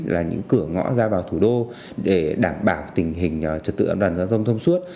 là những cửa ngõ ra vào thủ đô để đảm bảo tình hình trật tự an toàn giao thông thông suốt